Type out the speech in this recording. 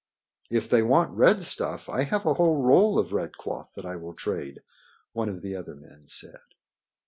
"If they want red stuff, I have a whole roll of red cloth that I will trade," one of the other men said.